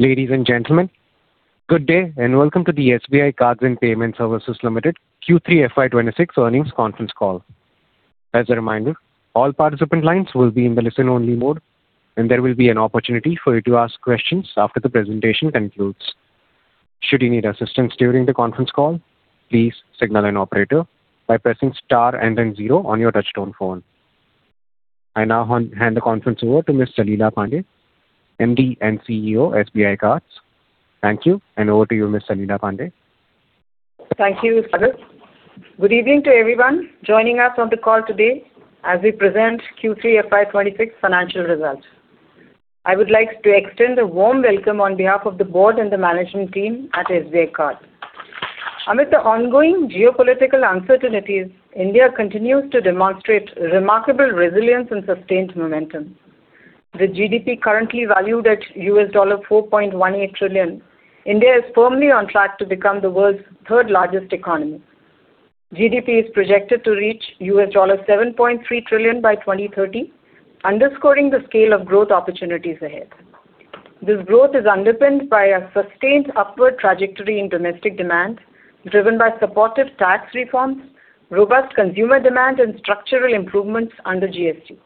Ladies and gentlemen, good day, and welcome to the SBI Cards and Payment Services Limited Q3 FY 2026 earnings conference call. As a reminder, all participant lines will be in the listen-only mode, and there will be an opportunity for you to ask questions after the presentation concludes. Should you need assistance during the conference call, please signal an operator by pressing star and then zero on your touchtone phone. I now hand the conference over to Ms. Salila Pande, MD and CEO, SBI Cards. Thank you, and over to you, Ms. Salila Pande. Thank you, Sagar. Good evening to everyone joining us on the call today as we present Q3 FY 2026 financial results. I would like to extend a warm welcome on behalf of the board and the management team at SBI Card. Amid the ongoing geopolitical uncertainties, India continues to demonstrate remarkable resilience and sustained momentum. The GDP, currently valued at $4.18 trillion, India is firmly on track to become the world's third-largest economy. GDP is projected to reach $7.3 trillion by 2030, underscoring the scale of growth opportunities ahead. This growth is underpinned by a sustained upward trajectory in domestic demand, driven by supportive tax reforms, robust consumer demand, and structural improvements under GST.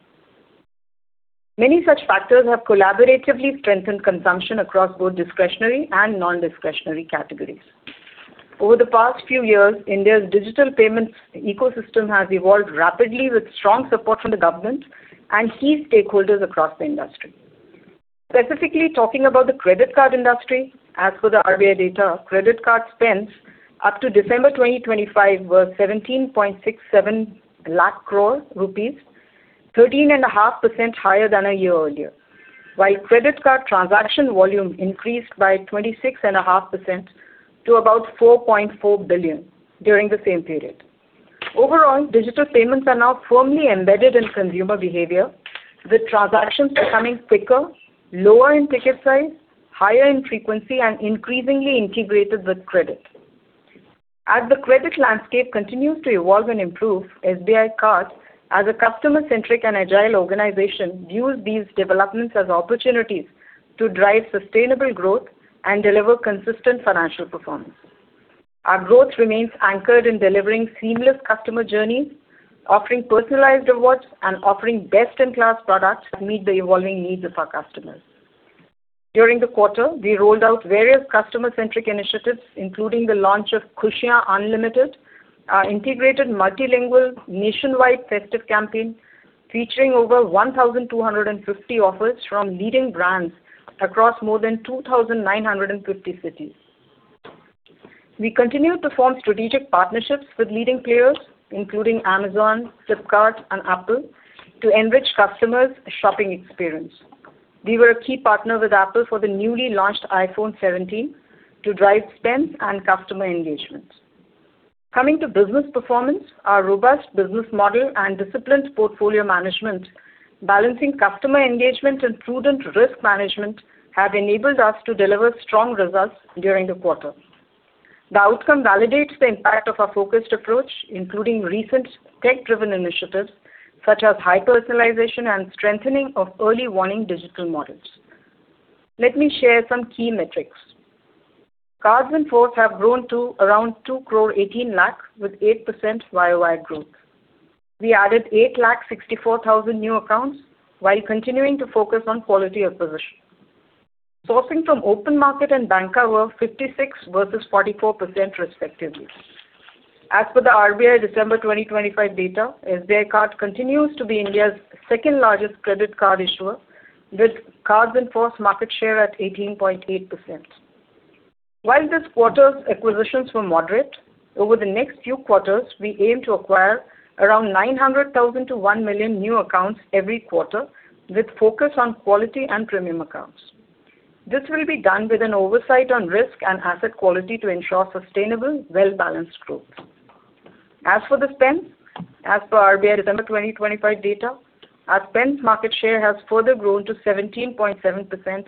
Many such factors have collaboratively strengthened consumption across both discretionary and non-discretionary categories. Over the past few years, India's digital payments ecosystem has evolved rapidly, with strong support from the government and key stakeholders across the industry. Specifically, talking about the credit card industry, as per the RBI data, credit card spends up to December 2025 were 1,767,000 crore rupees, 13.5% higher than a year earlier, while credit card transaction volume increased by 26.5% to about 4.4 billion during the same period. Overall, digital payments are now firmly embedded in consumer behavior, with transactions becoming quicker, lower in ticket size, higher in frequency, and increasingly integrated with credit. As the credit landscape continues to evolve and improve, SBI Card, as a customer-centric and agile organization, views these developments as opportunities to drive sustainable growth and deliver consistent financial performance. Our growth remains anchored in delivering seamless customer journeys, offering personalized awards, and offering best-in-class products that meet the evolving needs of our customers. During the quarter, we rolled out various customer-centric initiatives, including the launch of Khushiyaan Unlimited, our integrated, multilingual, nationwide festive campaign, featuring over 1,250 offers from leading brands across more than 2,950 cities. We continued to form strategic partnerships with leading players, including Amazon, Flipkart, and Apple, to enrich customers' shopping experience. We were a key partner with Apple for the newly launched iPhone 17 to drive spends and customer engagement. Coming to business performance, our robust business model and disciplined portfolio management, balancing customer engagement and prudent risk management, have enabled us to deliver strong results during the quarter. The outcome validates the impact of our focused approach, including recent tech-driven initiatives such as high personalization and strengthening of early warning digital models. Let me share some key metrics. Cards in force have grown to around 2 crore 18 lakh, with 8% YOY growth. We added 8 lakh 64 thousand new accounts while continuing to focus on quality acquisition. Sourcing from open market and banca were 56 versus 44 percent, respectively. As per the RBI December 2025 data, SBI Card continues to be India's second-largest credit card issuer, with cards in force market share at 18.8%. While this quarter's acquisitions were moderate, over the next few quarters, we aim to acquire around 900 thousand to 1 million new accounts every quarter, with focus on quality and premium accounts. This will be done with an oversight on risk and asset quality to ensure sustainable, well-balanced growth. As for the spends, as per RBI December 2025 data, our spends market share has further grown to 17.7%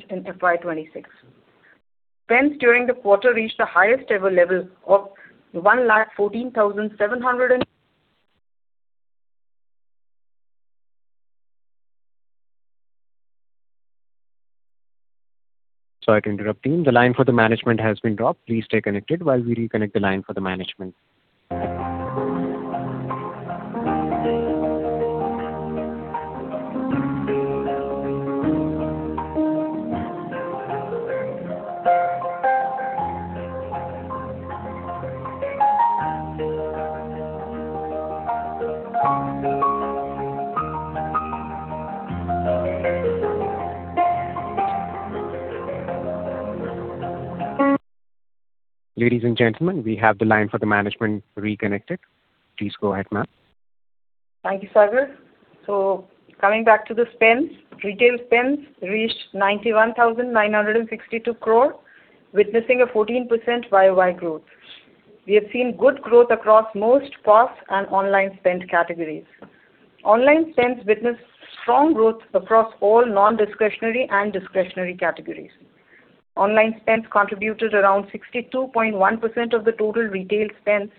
in FY 2026. Spends during the quarter reached the highest ever level of 114,700 and- Sorry to interrupt you. The line for the management has been dropped. Please stay connected while we reconnect the line for the management. Ladies and gentlemen, we have the line for the management reconnected. Please go ahead, ma'am. Thank you, Sagar. Coming back to the spends, retail spends reached 91,962 crore, witnessing a 14% YOY growth. We have seen good growth across most POS and online spend categories. Online spends witnessed strong growth across all non-discretionary and discretionary categories. Online spends contributed around 62.1% of the total retail spends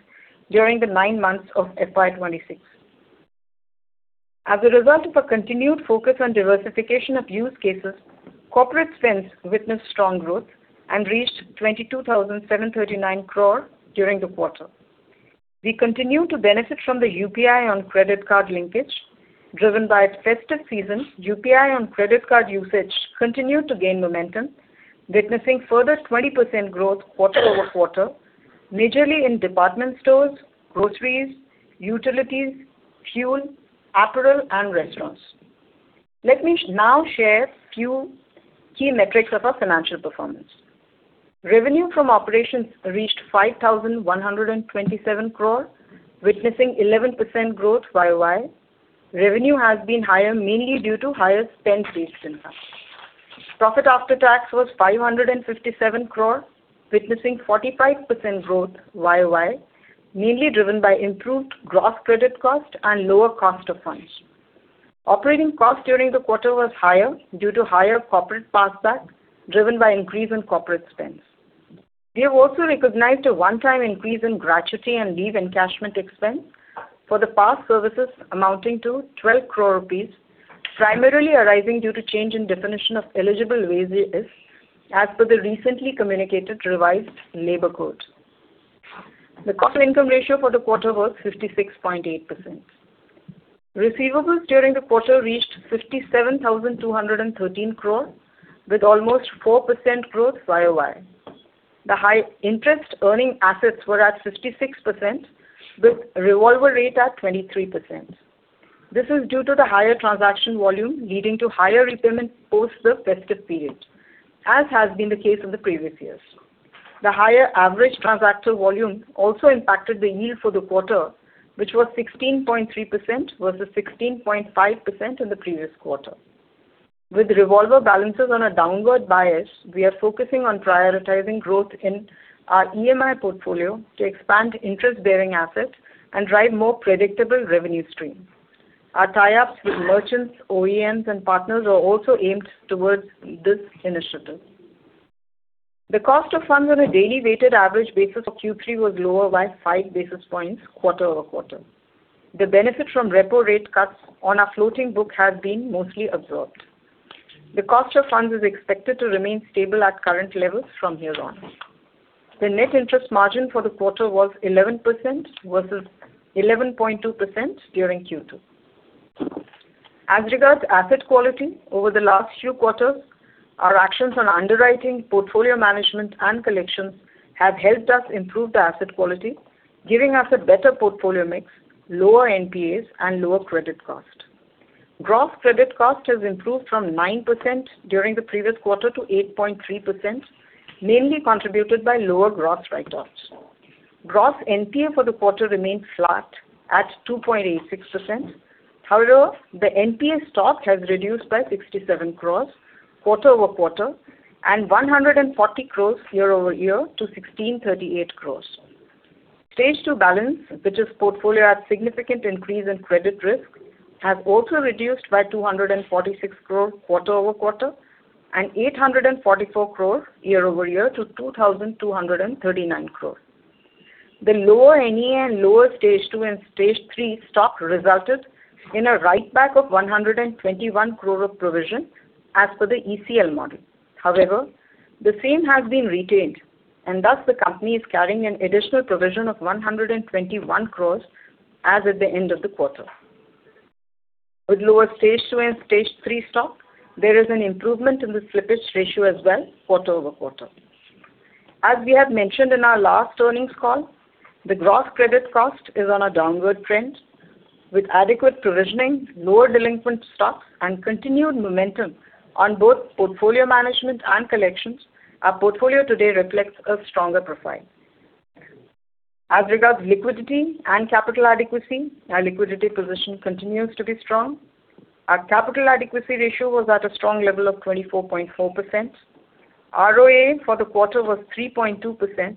during the nine months of FY 2026. As a result of a continued focus on diversification of use cases, corporate spends witnessed strong growth and reached 22,739 crore during the quarter. We continue to benefit from the UPI on credit card linkage. Driven by festive season, UPI on credit card usage continued to gain momentum, witnessing further 20% growth quarter-over-quarter, majorly in department stores, groceries, utilities, fuel, apparel, and restaurants. Let me now share few key metrics of our financial performance. Revenue from operations reached 5,127 crore, witnessing 11% growth YoY. Revenue has been higher, mainly due to higher spend-based income. Profit after tax was 557 crore, witnessing 45% growth YoY, mainly driven by improved gross credit cost and lower cost of funds. Operating cost during the quarter was higher due to higher corporate passback, driven by increase in corporate spends. We have also recognized a one-time increase in gratuity and leave encashment expense for the past services amounting to 12 crore rupees, primarily arising due to change in definition of eligible vestees, as per the recently communicated revised labor code. The cost income ratio for the quarter was 56.8%. Receivables during the quarter reached 57,213 crore, with almost 4% growth YoY. The high interest earning assets were at 66%, with revolver rate at 23%. This is due to the higher transaction volume leading to higher repayment post the festive period, as has been the case in the previous years. The higher average transactor volume also impacted the yield for the quarter, which was 16.3% versus 16.5% in the previous quarter. With revolver balances on a downward bias, we are focusing on prioritizing growth in our EMI portfolio to expand interest-bearing assets and drive more predictable revenue stream. Our tie-ups with merchants, OEMs, and partners are also aimed towards this initiative. The cost of funds on a daily weighted average basis of Q3 was lower by 5 basis points, quarter-over-quarter. The benefit from repo rate cuts on our floating book has been mostly absorbed. The cost of funds is expected to remain stable at current levels from here on. The net interest margin for the quarter was 11% versus 11.2% during Q2. As regards asset quality over the last few quarters, our actions on underwriting, portfolio management, and collections have helped us improve the asset quality, giving us a better portfolio mix, lower NPAs, and lower credit cost. Gross credit cost has improved from 9% during the previous quarter to 8.3%, mainly contributed by lower gross write-offs. Gross NPA for the quarter remained flat at 2.86%. However, the NPA stock has reduced by 67 crore, quarter-over-quarter, and 140 crore year-over-year to 1,638 crore. Stage two balance, which is portfolio at significant increase in credit risk, has also reduced by 246 crore quarter-over-quarter, and 844 crore year-over-year, to 2,239 crore. The lower NE and lower stage two and stage three stock resulted in a write-back of 121 crore of provision, as per the ECL model. However, the same has been retained, and thus the company is carrying an additional provision of 121 crores as at the end of the quarter. With lower stage two and stage three stock, there is an improvement in the slippage ratio as well, quarter-over-quarter. As we have mentioned in our last earnings call, the gross credit cost is on a downward trend. With adequate provisioning, lower delinquent stock, and continued momentum on both portfolio management and collections, our portfolio today reflects a stronger profile. As regards liquidity and capital adequacy, our liquidity position continues to be strong. Our capital adequacy ratio was at a strong level of 24.4%. ROA for the quarter was 3.2%,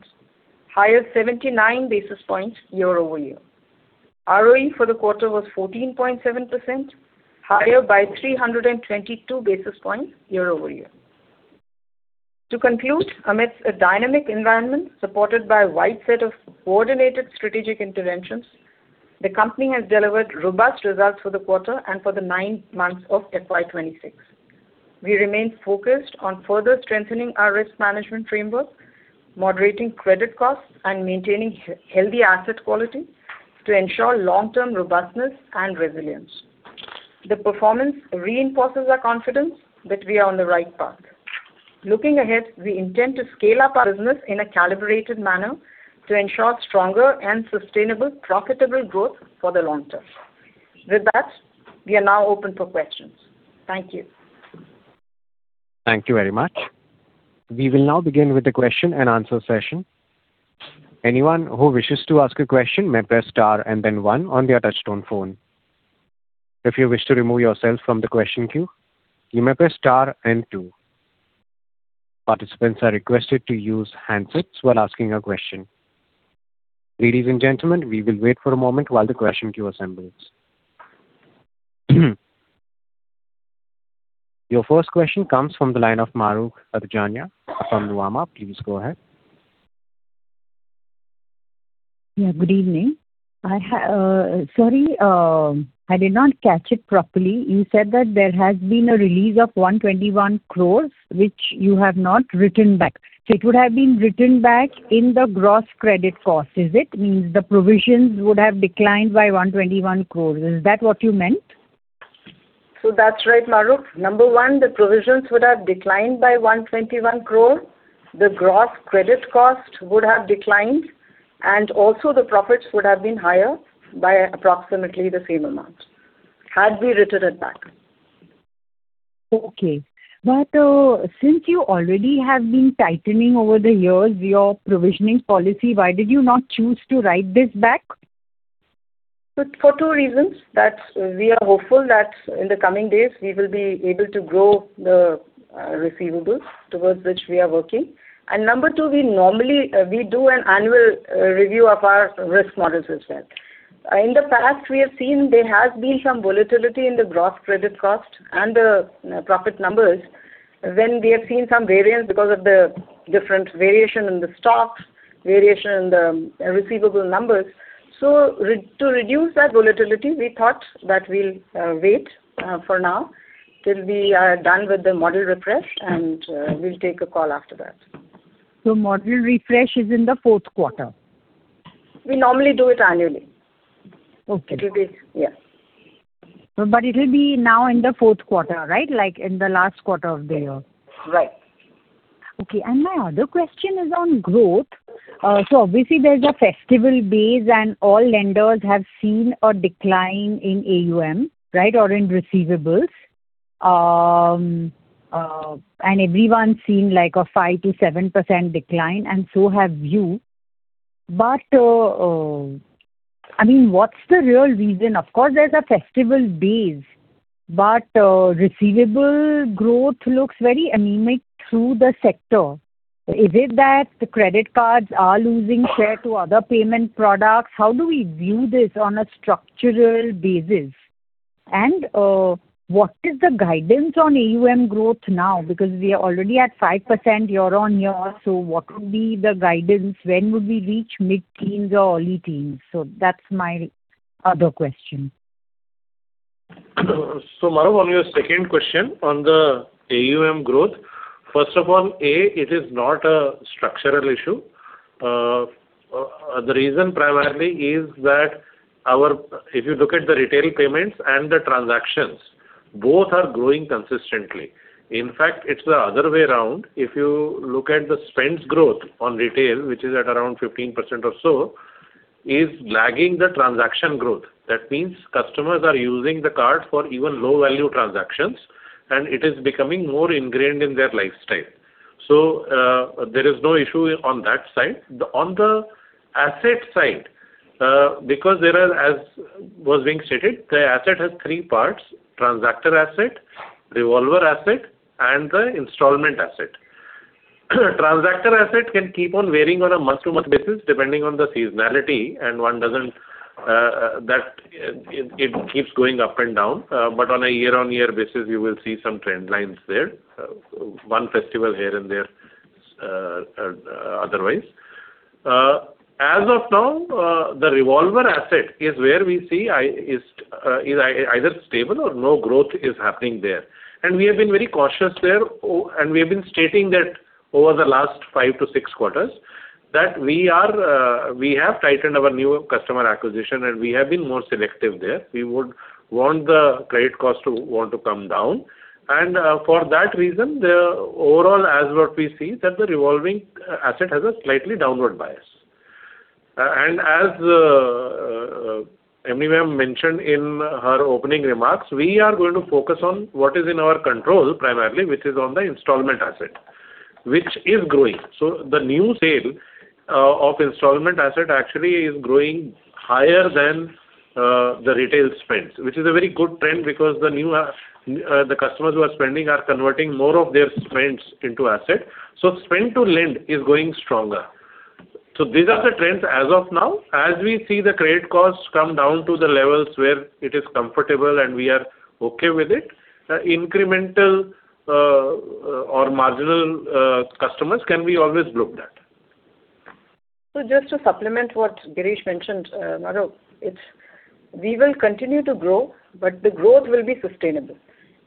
higher 79 basis points year-over-year. ROE for the quarter was 14.7%, higher by 322 basis points year-over-year. To conclude, amidst a dynamic environment supported by a wide set of coordinated strategic interventions, the company has delivered robust results for the quarter and for the nine months of FY 2026. We remain focused on further strengthening our risk management framework, moderating credit costs, and maintaining healthy asset quality to ensure long-term robustness and resilience. The performance reinforces our confidence that we are on the right path. Looking ahead, we intend to scale up our business in a calibrated manner to ensure stronger and sustainable, profitable growth for the long term. With that, we are now open for questions. Thank you. Thank you very much. We will now begin with the question-and-answer session. Anyone who wishes to ask a question may press star and then one on their touchtone phone. If you wish to remove yourself from the question queue, you may press star and two. Participants are requested to use handsets while asking a question. Ladies and gentlemen, we will wait for a moment while the question queue assembles. Your first question comes from the line of Mahrukh Adajania from Nuvama, please go ahead. Yeah, good evening. Sorry, I did not catch it properly. You said that there has been a release of 121 crore, which you have not written back. So it would have been written back in the gross credit cost, is it? Means the provisions would have declined by 121 crore. Is that what you meant? So that's right, Mahrukh. Number one, the provisions would have declined by 121 crore. The gross credit cost would have declined, and also the profits would have been higher by approximately the same amount, had we written it back. Okay. But, since you already have been tightening over the years your provisioning policy, why did you not choose to write this back? So for two reasons, that we are hopeful that in the coming days, we will be able to grow the receivables towards which we are working. And number two, we normally we do an annual review of our risk models as well. In the past, we have seen there has been some volatility in the Gross Credit Cost and the profit numbers, when we have seen some variance because of the different variation in the stocks, variation in the receivable numbers. So, to reduce that volatility, we thought that we'll wait for now, till we are done with the model refresh, and we'll take a call after that. Model refresh is in the fourth quarter? We normally do it annually. Okay. It will be, Yeah. But it'll be now in the fourth quarter, right? Like, in the last quarter of the year. Right. Okay, and my other question is on growth. So obviously, there's a festival base, and all lenders have seen a decline in AUM, right? Or in receivables. And everyone's seen, like, a 5%-7% decline, and so have you. But I mean, what's the real reason? Of course, there's a festival base, but receivable growth looks very anemic through the sector. Is it that the credit cards are losing share to other payment products? How do we view this on a structural basis? And what is the guidance on AUM growth now? Because we are already at 5% year-on-year, so what would be the guidance? When would we reach mid-teens or early teens? So that's my other question. So, Mahrukh, on your second question, on the AUM growth, first of all, it is not a structural issue. The reason primarily is that our, if you look at the retail payments and the transactions, both are growing consistently. In fact, it's the other way around. If you look at the spends growth on retail, which is at around 15% or so, is lagging the transaction growth. That means customers are using the card for even low-value transactions, and it is becoming more ingrained in their lifestyle. So, there is no issue on that side. Then, on the asset side, because there are, as was being stated, the asset has three parts: transactor asset, revolver asset, and the installment asset. Transactor asset can keep on varying on a month-to-month basis, depending on the seasonality, and it keeps going up and down. But on a year-on-year basis, you will see some trend lines there, one festival here and there, otherwise. As of now, the revolver asset is where we see it is either stable or no growth is happening there. And we have been very cautious there, and we have been stating that over the last 5 to 6 quarters, that we have tightened our new customer acquisition, and we have been more selective there. We would want the credit cost to want to come down, and, for that reason, the overall as what we see, that the revolving asset has a slightly downward bias. And as MD Ma'am mentioned in her opening remarks, we are going to focus on what is in our control, primarily, which is on the installment asset, which is growing. So the new sale of installment asset actually is growing higher than the retail spends, which is a very good trend because the new customers who are spending are converting more of their spends into asset. So spend to lend is growing stronger. So these are the trends as of now. As we see the credit costs come down to the levels where it is comfortable and we are okay with it, incremental or marginal customers can be always looked at. So just to supplement what Girish mentioned, Mahrukh, it's. We will continue to grow, but the growth will be sustainable.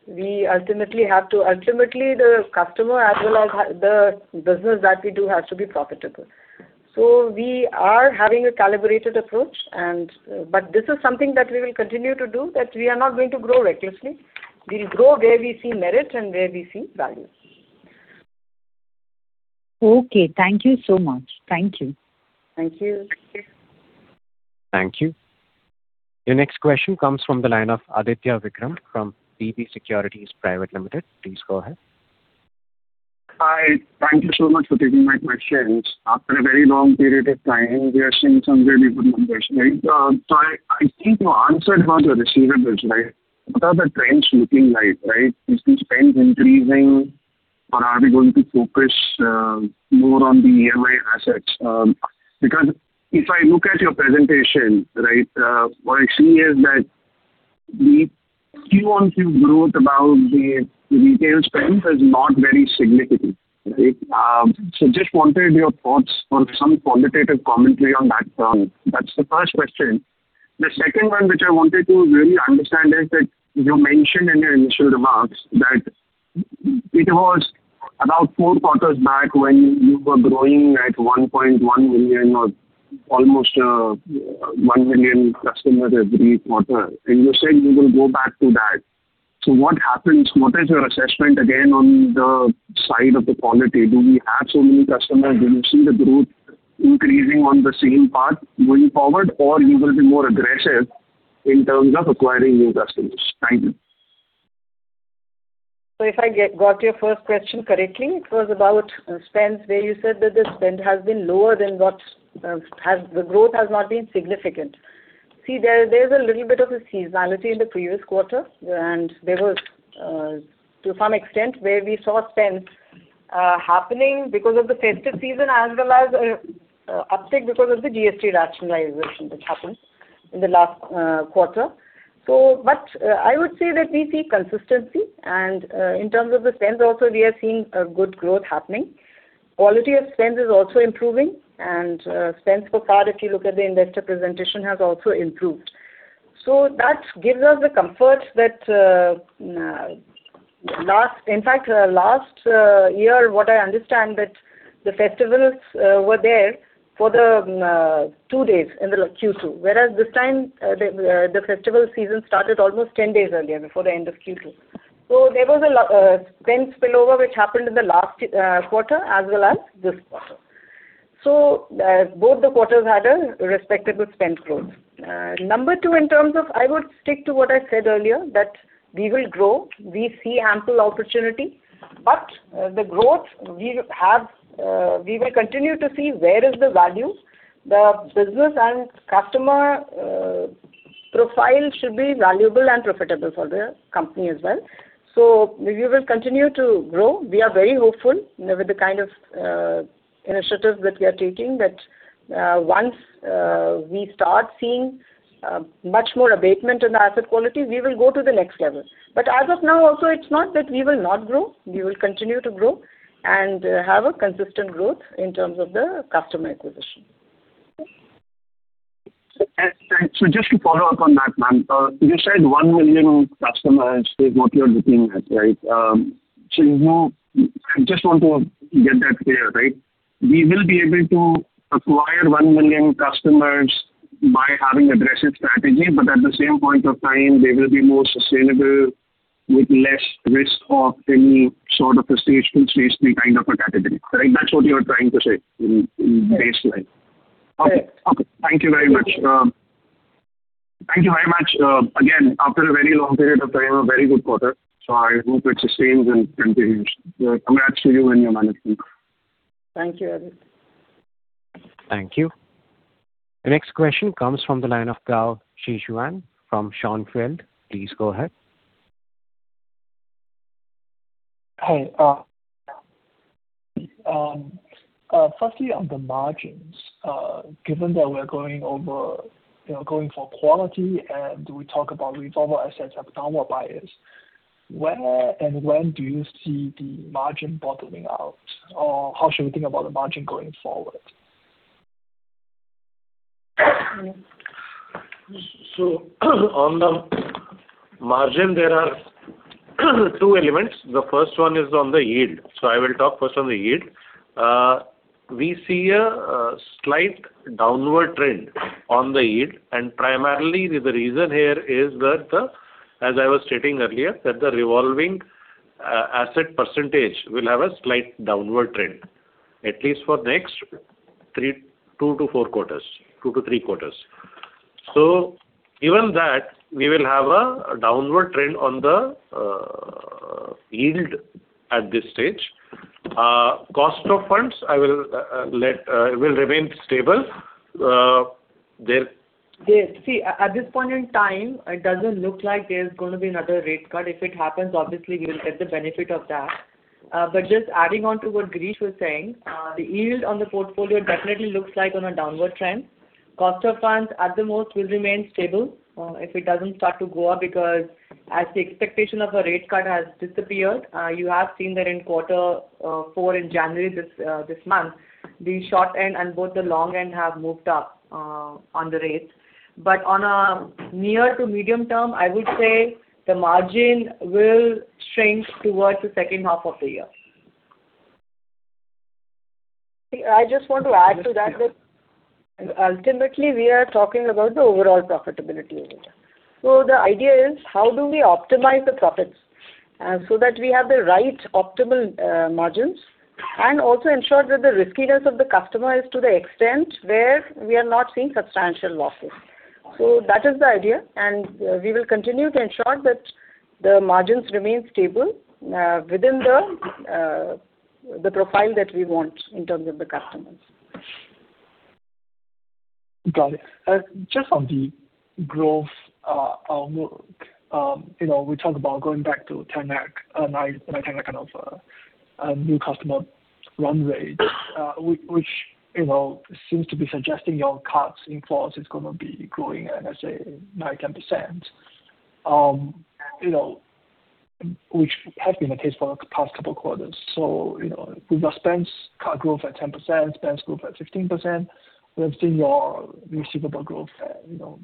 We ultimately have to ultimately, the customer as well as the business that we do has to be profitable. So we are having a calibrated approach, and, but this is something that we will continue to do, that we are not going to grow recklessly. We'll grow where we see merit and where we see value. Okay, thank you so much. Thank you. Thank you. Thank you. The next question comes from the line of Aditya Vikram from B&K Securities. Please go ahead. Hi. Thank you so much for taking my questions. After a very long period of time, we are seeing some really good numbers, right? So I think you answered on the receivables, right? What are the trends looking like, right? Is the spend increasing, or are we going to focus more on the EMI assets? Because if I look at your presentation, right, what I see is that the Q-on-Q growth about the retail spend is not very significant, right? So just wanted your thoughts on some qualitative commentary on that front. That's the first question. The second one, which I wanted to really understand, is that you mentioned in your initial remarks that it was about four quarters back when you were growing at 1.1 million or almost 1 million customers every quarter, and you said you will go back to that. So what happens? What is your assessment again, on the side of the quality? Do we add so many customers? Do you see the growth increasing on the same path going forward, or you will be more aggressive in terms of acquiring new customers? Thank you. So if I got your first question correctly, it was about spends, where you said that the spend has been lower than what has. The growth has not been significant. See, there, there's a little bit of a seasonality in the previous quarter, and there was to some extent where we saw spends happening because of the festive season as well as uptick because of the GST rationalization that happened in the last quarter. So but I would say that we see consistency, and in terms of the spends also, we are seeing a good growth happening. Quality of spends is also improving, and spends per card, if you look at the investor presentation, has also improved. So that gives us the comfort that last. In fact, last year, what I understand that the festivals were there for the two days in the Q2, whereas this time, the festival season started almost 10 days earlier, before the end of Q2. So there was a lot of spend spillover, which happened in the last quarter as well as this quarter. So, both the quarters had a respectable spend growth. Number two, in terms of I would stick to what I said earlier, that we will grow. We see ample opportunity, but, the growth we have, we will continue to see where is the value. The business and customer profile should be valuable and profitable for the company as well. So we will continue to grow. We are very hopeful with the kind of initiatives that we are taking, that once we start seeing much more abatement in the asset quality, we will go to the next level. But as of now, also, it's not that we will not grow. We will continue to grow and have a consistent growth in terms of the customer acquisition. So just to follow up on that, ma'am, you said 1 million customers is what you're looking at, right? So, I just want to get that clear, right? We will be able to acquire 1 million customers by having aggressive strategy, but at the same point of time, they will be more sustainable with less risk of any sort of a seasonal, festive kind of a category. Right? That's what you are trying to say in baseline? Right. Okay. Okay. Thank you very much. Thank you very much. Again, after a very long period of time, a very good quarter, so I hope it sustains and continues. Congrats to you and your management. Thank you, Amit. Thank you. The next question comes from the line of Gao Zhixuan from Schonfeld. Please go ahead. Hi. Firstly, on the margins, given that we're going over, you know, going for quality and we talk about revolver assets have downward bias, where and when do you see the margin bottoming out? Or how should we think about the margin going forward? So, on the margin, there are two elements. The first one is on the yield. So I will talk first on the yield. We see a slight downward trend on the yield, and primarily, the reason here is that, as I was stating earlier, that the revolving asset percentage will have a slight downward trend, at least for next 3, 2-4 quarters, 2-3 quarters. So given that, we will have a downward trend on the yield at this stage. Cost of funds will remain stable, there- See, at, at this point in time, it doesn't look like there's going to be another rate cut. If it happens, obviously, we will get the benefit of that. But just adding on to what Girish was saying, the yield on the portfolio definitely looks like on a downward trend. Cost of funds at the most will remain stable, if it doesn't start to go up, because as the expectation of a rate cut has disappeared, you have seen that in quarter four in January, this month, the short end and both the long end have moved up, on the rates. But on a near to medium term, I would say the margin will shrink towards the second half of the year. I just want to add to that, that ultimately we are talking about the overall profitability of it. So the idea is, how do we optimize the profits, so that we have the right optimal margins, and also ensure that the riskiness of the customer is to the extent where we are not seeing substantial losses. So that is the idea, and we will continue to ensure that the margins remain stable, within the profile that we want in terms of the customers. Got it. Just on the growth, you know, we talk about going back to 10 lakh, 9, 9, 10 lakh kind of new customer run rate, which, you know, seems to be suggesting your Cards in Force is going to be growing at, let's say, 9-10%. You know, which has been the case for the past couple quarters. So, you know, with your spends, card growth at 10%, spends growth at 15%, we have seen your receivable growth at, you know,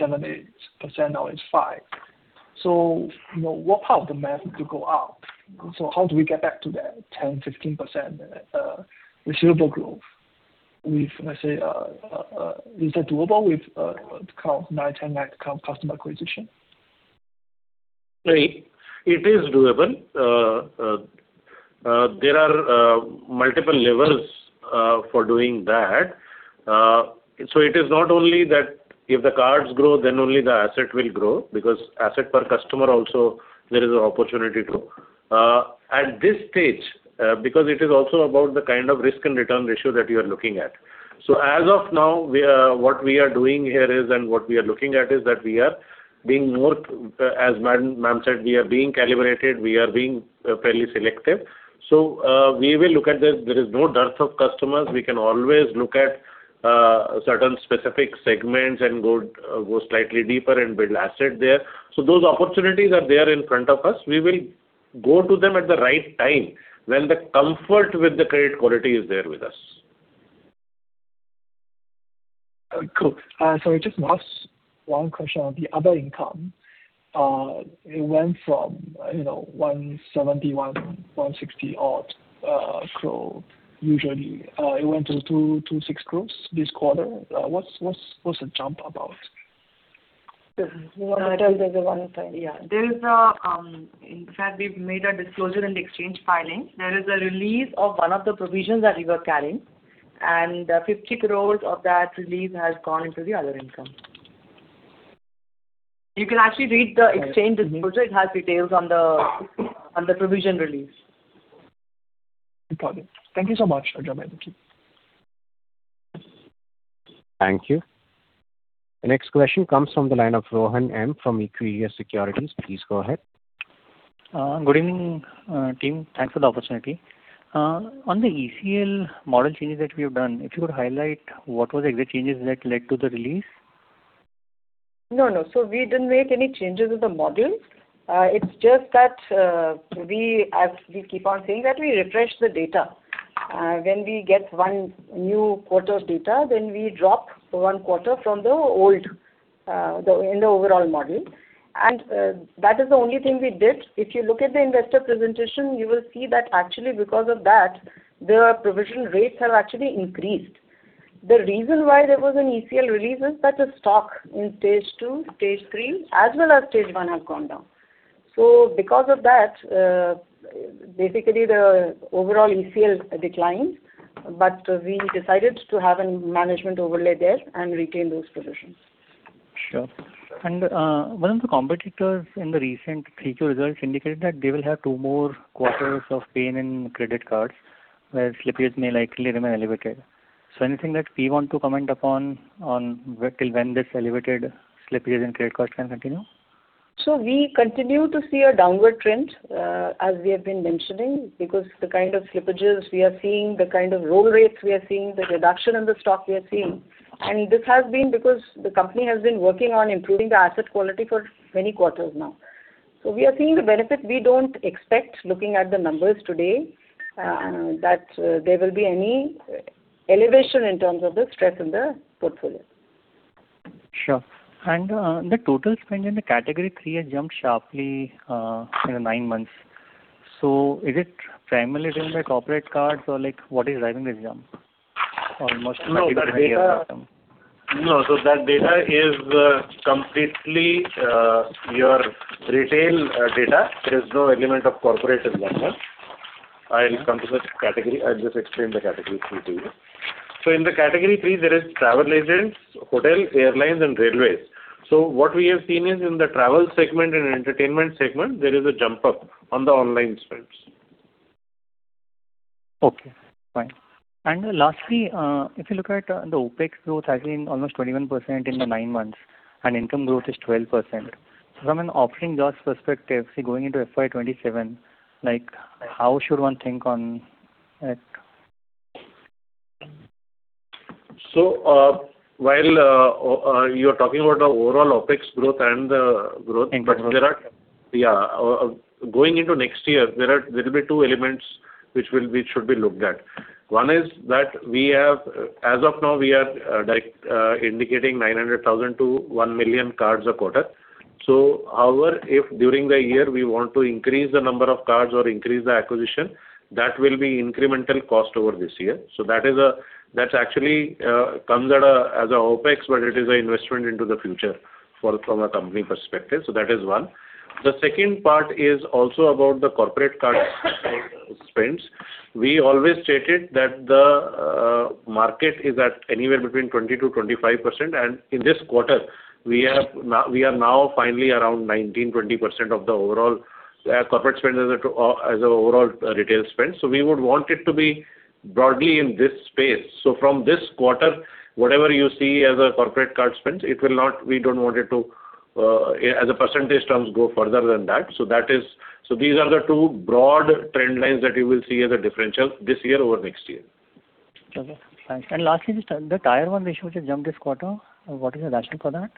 7-8%, now it's 5%. So, you know, what part of the math to go up? So how do we get back to that 10-15%, receivable growth with, let's say, is that doable with, card 9-10 net customer acquisition? Right. It is doable. There are multiple levels for doing that. So it is not only that if the cards grow, then only the asset will grow, because asset per customer also, there is an opportunity to. At this stage, because it is also about the kind of risk and return ratio that you are looking at. So as of now, what we are doing here is, and what we are looking at is that we are being more, as ma'am said, we are being calibrated, we are being fairly selective. So, we will look at this. There is no dearth of customers. We can always look at certain specific segments and go slightly deeper and build asset there. So those opportunities are there in front of us. We will go to them at the right time, when the comfort with the credit quality is there with us. Cool. So just last one question on the other income. It went from, you know, 171 crores, 160 odd crores, so usually, it went to 226 crores this quarter. What's, what's, what's the jump about? You want to tell there's a one-time, yeah. There is a, in fact, we've made a disclosure and exchange filing. There is a release of one of the provisions that we were carrying, and 50 crore of that release has gone into the other income. You can actually read the exchange disclosure. It has details on the, on the provision release. Got it. Thank you so much. Thank you. The next question comes from the line of Rohan M. from Equirus Securities. Please go ahead. Good evening, team. Thanks for the opportunity. On the ECL model changes that we have done, if you could highlight what were the exact changes that led to the release? No, no. So we didn't make any changes in the model. It's just that, we, as we keep on saying, that we refresh the data. When we get one new quarter's data, then we drop one quarter from the old in the overall model. And that is the only thing we did. If you look at the investor presentation, you will see that actually, because of that, the provision rates have actually increased. The reason why there was an ECL release is that the stock in stage two, stage three, as well as stage one, have gone down. So because of that, basically, the overall ECL declined, but we decided to have a management overlay there and retain those positions. Sure. And, one of the competitors in the recent Q2 results indicated that they will have two more quarters of pain in credit cards, where slippages may likely remain elevated. So anything that we want to comment upon on till when this elevated slippage in credit cards can continue? So we continue to see a downward trend, as we have been mentioning, because the kind of slippages we are seeing, the kind of roll rates we are seeing, the reduction in the stock we are seeing, and this has been because the company has been working on improving the asset quality for many quarters now. So we are seeing the benefit. We don't expect, looking at the numbers today, that there will be any elevation in terms of the stress in the portfolio. Sure. And, the total spend in the category three has jumped sharply, in the nine months. So is it primarily driven by corporate cards, or, like, what is driving this jump? Almost No, so that data is completely your retail data. There is no element of corporate in that one. I'll come to the category. I'll just explain the category three to you. So in the category three, there is travel agents, hotels, airlines and railways. So what we have seen is in the travel segment and entertainment segment, there is a jump up on the online spends. Okay, fine. And lastly, if you look at the OpEx growth, actually almost 21% in the 9 months, and income growth is 12%. So from an operating loss perspective, see, going into FY 2027, like, how should one think on it? So, while you're talking about the overall OpEx growth and the growth-Income growth. Yeah. Going into next year, there are, there will be two elements which will be, should be looked at. One is that we have, as of now, we are, direct, indicating 900,000-1 million cards a quarter. So however, if during the year we want to increase the number of cards or increase the acquisition, that will be incremental cost over this year. So that is a- that's actually, comes at a, as a OpEx, but it is an investment into the future for, from a company perspective. So that is one. The second part is also about the corporate card spends. We always stated that the market is at anywhere between 20%-25%, and in this quarter, we are now, we are now finally around 19%-20% of the overall corporate spend as an overall retail spend. So we would want it to be broadly in this space. So from this quarter, whatever you see as a corporate card spend, it will not, we don't want it to, as a percentage terms go further than that. So that is, so these are the two broad trend lines that you will see as a differential this year over next year. Okay, thanks. And lastly, just, the Tier 1 ratio which has jumped this quarter, what is the rationale for that?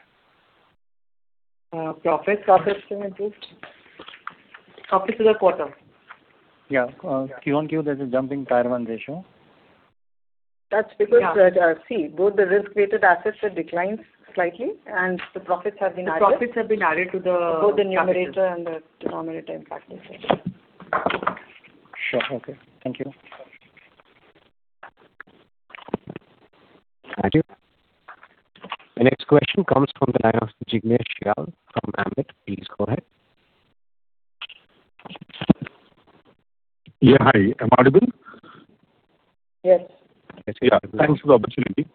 Profits, profits have improved. Profits for the quarter. Yeah, Q on Q, there's a jump in Tier 1 ratio. That's because, see, both the risk-weighted assets have declined slightly, and the profits have been added. The profits have been added to the- Both the numerator and the denominator impact also. Sure. Okay. Thank you. Thank you. The next question comes from the line of Jignesh Sharda from Ambit Capital. Please go ahead. Yeah, hi. Am I audible? Yes. Yes. Yeah, thanks for the opportunity.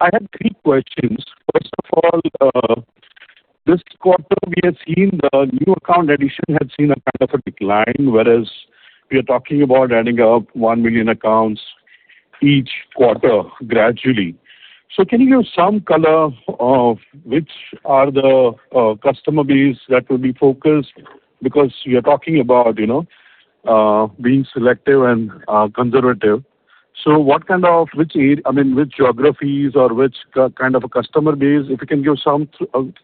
I have three questions. First of all, this quarter we have seen the new account addition has seen a kind of a decline, whereas we are talking about adding up 1 million accounts each quarter, gradually. So can you give some color of which are the customer base that will be focused? Because we are talking about, you know, being selective and conservative. So what kind of, which area, I mean, which geographies or which kind of a customer base? If you can give some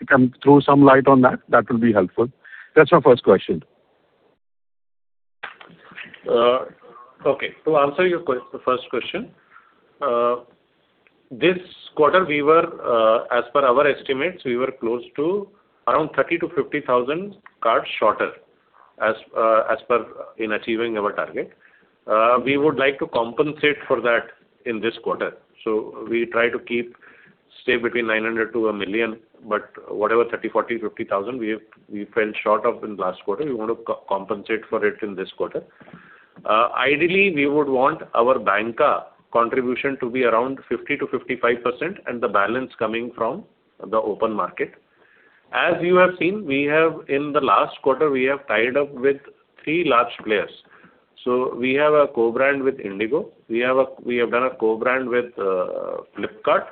can throw some light on that, that will be helpful. That's my first question. Okay. To answer your first question, this quarter we were, as per our estimates, we were close to around 30,000-50,000 cards shorter as per in achieving our target. We would like to compensate for that in this quarter. We try to keep, say, between 900,000-1,000,000, but whatever 30,000, 40,000, 50,000 we have, we fell short of in last quarter, we want to compensate for it in this quarter. Ideally, we would want our banca contribution to be around 50%-55%, and the balance coming from the open market. As you have seen, in the last quarter, we have tied up with three large players. So we have a co-brand with IndiGo, we have a, we have done a co-brand with Flipkart,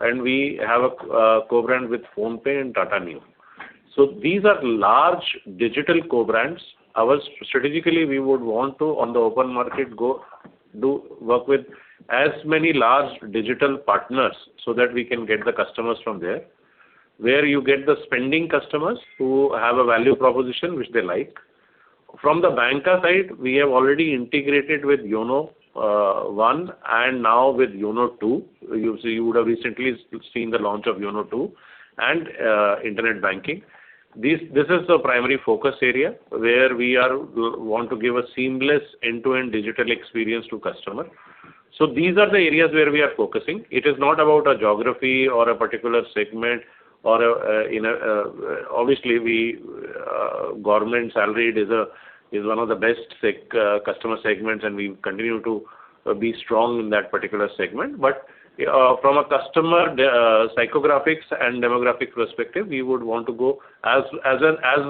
and we have a co-brand with PhonePe and Tata Neu. So these are large digital co-brands. Our strategically, we would want to, on the open market, go, do, work with as many large digital partners so that we can get the customers from there, where you get the spending customers who have a value proposition which they like. From the banca side, we have already integrated with YONO 1.0, and now with YONO 2.0. You would have recently seen the launch of YONO 2.0 and internet banking. This is the primary focus area where we are want to give a seamless end-to-end digital experience to customer. So these are the areas where we are focusing. It is not about a geography or a particular segment. Obviously, we government salaried is a is one of the best customer segments, and we continue to be strong in that particular segment. But from a customer psychographics and demographic perspective, we would want to go as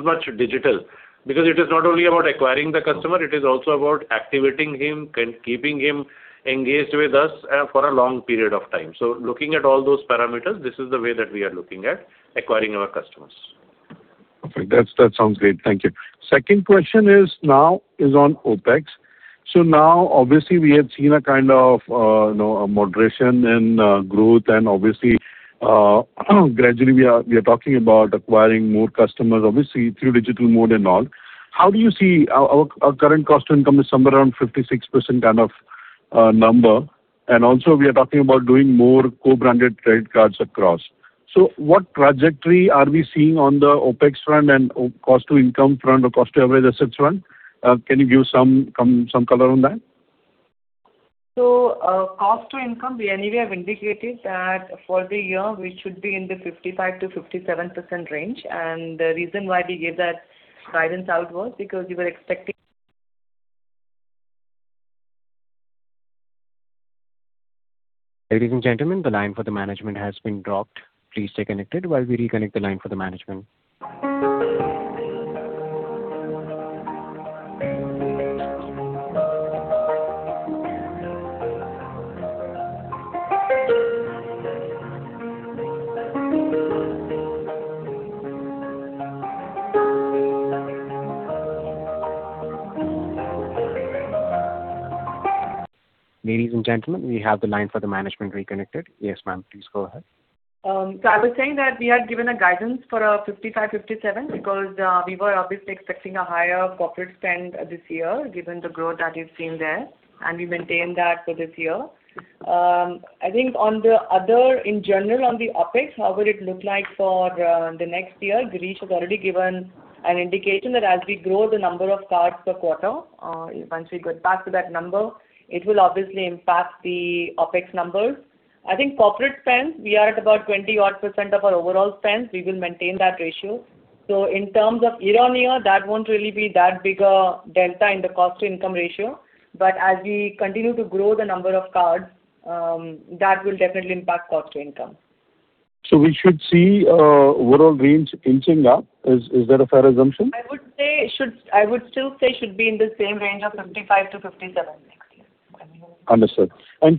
much digital. Because it is not only about acquiring the customer, it is also about activating him, keeping him engaged with us for a long period of time. So looking at all those parameters, this is the way that we are looking at acquiring our customers. Okay. That's, that sounds great. Thank you. Second question is now on OpEx. So now, obviously, we have seen a kind of, you know, a moderation in growth, and obviously, gradually, we are talking about acquiring more customers, obviously, through digital mode and all. How do you see our current cost to income is somewhere around 56% kind of number, and also we are talking about doing more co-branded credit cards across. So what trajectory are we seeing on the OpEx front and cost to income front or cost to average assets front? Can you give some color on that? Cost to income, we anyway have indicated that for the year, we should be in the 55%-57% range. The reason why we gave that guidance out was because we were expecting- Ladies and gentlemen, the line for the management has been dropped. Please stay connected while we reconnect the line for the management. Ladies and gentlemen, we have the line for the management reconnected. Yes, ma'am, please go ahead. So I was saying that we had given a guidance for 55, 57, because we were obviously expecting a higher corporate spend this year, given the growth that you've seen there, and we maintained that for this year. I think on the other, in general, on the OpEx, how would it look like for the next year? Girish has already given an indication that as we grow the number of cards per quarter, once we get back to that number, it will obviously impact the OpEx numbers. I think corporate spend, we are at about 20 odd % of our overall spend. We will maintain that ratio. So in terms of year-on-year, that won't really be that big a delta in the cost to income ratio. But as we continue to grow the number of cards, that will definitely impact cost to income. So we should see overall range inching up. Is that a fair assumption? I would still say should be in the same range of 55-57, yeah. Understood.